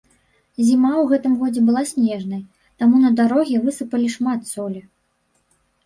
Зіма ў гэтым годзе была снежнай, таму на дарогі высыпалі шмат солі.